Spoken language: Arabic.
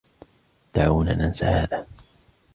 دعونا ننسى هذا.